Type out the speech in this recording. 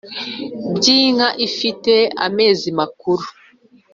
by’inka ifite amezi makuru